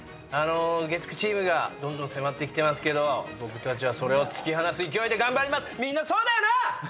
あの月９チームがどんどん迫ってきてますけど僕たちはそれを突き放す勢いで頑張ります。